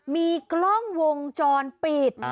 มีกล้องวงจรปิด